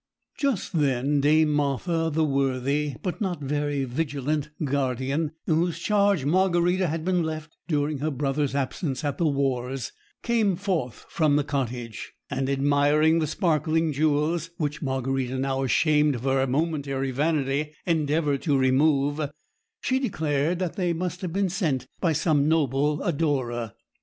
Just then Dame Martha, the worthy, but not very vigilant, guardian in whose charge Margarita had been left during her brother's absence at the wars, came forth from the cottage; and admiring the sparkling jewels which Margarita, now ashamed of her momentary vanity, endeavoured to remove she declared that they must have been sent by some noble adorer.